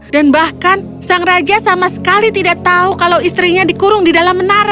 dan bahkan sang raja sama sekali tidak tahu kalau istrinya dikurung di dalam menara